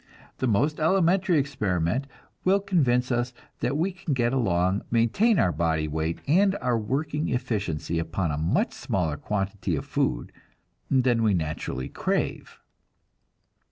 The most elementary experiment will convince us that we can get along, maintain our body weight and our working efficiency upon a much smaller quantity of food than we naturally crave.